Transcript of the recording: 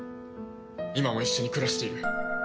今も一緒に暮らしている。